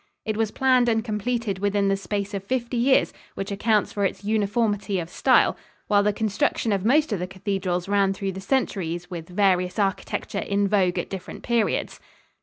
It was planned and completed within the space of fifty years, which accounts for its uniformity of style; while the construction of most of the cathedrals ran through the centuries with various architecture in vogue at different periods.